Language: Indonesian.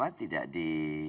apa tidak di